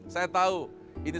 saya tahu ini